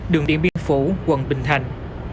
đường điện biên phủ quận bình thành